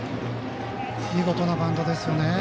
見事なバントですよね。